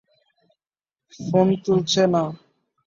Phone তুলছে না।